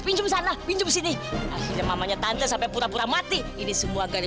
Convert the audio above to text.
pincum sana pinjam sini akhirnya mamanya tante sampai pura pura mati ini semua gali